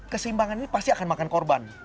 keseimbangan ini pasti akan makan korban